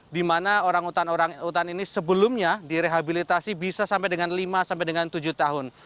di mana orang utan orang utan ini sebelumnya direhabilitasi bisa sampai dengan lima sampai dengan tujuh tahun